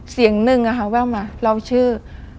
เสียงหนึ่งแว่วมาเราชื่อ